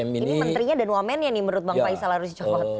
ini menterinya dan wamennya nih menurut bang faisal harus dicopot